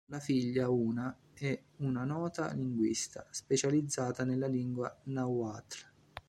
La figlia Una è una nota linguista, specializzata nella lingua nahuatl.